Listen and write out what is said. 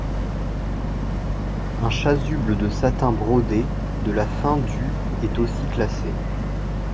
Un chasuble de satin brodé de la fin du est aussi classé.